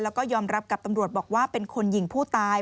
แล้วก็ยอมรับกับตำรวจบอกว่าเป็นคนยิงผู้ตาย